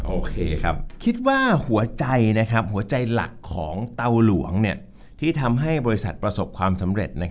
โอเคครับคิดว่าหัวใจหัวใจหลักของเตาหลวงที่ทำให้บริษัทประสบความสำเร็จ